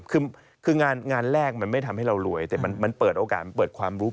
คืองานแรกมันไม่ทำให้เรารวยแต่มันเปิดโอกาสเปิดความรู้